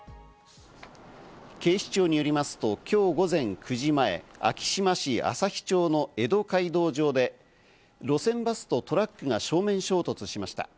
警視庁によりますと今日午前９時前、昭島市朝日町の江戸街道上で、路線バスとトラックが正面衝突しました。